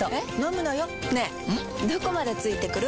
どこまで付いてくる？